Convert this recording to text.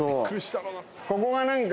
ここが何か最近。